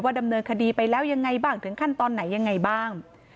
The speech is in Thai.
ดำเนินคดีไปแล้วยังไงบ้างถึงขั้นตอนไหนยังไงบ้าง